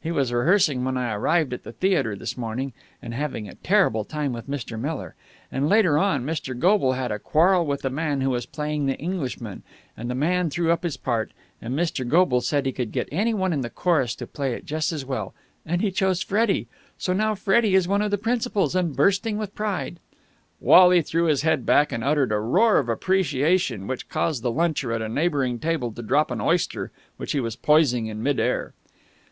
He was rehearsing when I arrived at the theatre this morning, and having a terrible time with Mr. Miller. And, later on, Mr. Goble had a quarrel with the man who was playing the Englishman, and the man threw up his part, and Mr. Goble said he could get any one in the chorus to play it just as well, and he chose Freddie. So now Freddie is one of the principals, and bursting with pride!" Wally threw his head back and uttered a roar of appreciation which caused a luncher at a neighbouring table to drop an oyster which he was poising in mid air.